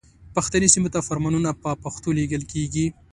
پښتني سیمو ته فرمانونه په پښتو لیږل کیږي.